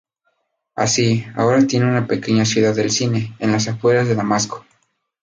Así, ahora tiene una pequeña "ciudad del cine" en las afueras de Damasco.